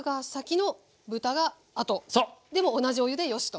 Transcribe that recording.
でも同じお湯でよしと。